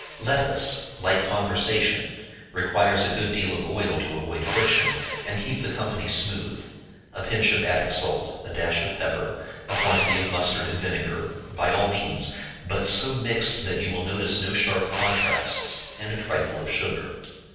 Lettuce, like conversation, requires a good deal of oil to avoid friction, and keep the company smooth; a pinch of attic salt; a dash of pepper; a quantity of mustard and vinegar, by all means, but so mixed that you will notice no sharp contrasts; and a trifle of sugar.